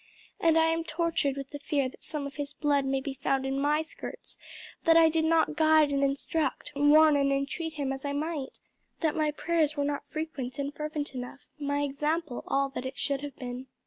And I am tortured with the fear that some of his blood may be found in my skirts that I did not guide and instruct, warn and entreat him as I might; that my prayers were not frequent and fervent enough, my example all that it should have been."